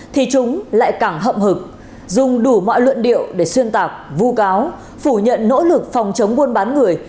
thì chúng lại càng hậm hực dùng đủ mọi luận điệu để xuyên tạc vu cáo phủ nhận nỗ lực phòng chống buôn bán người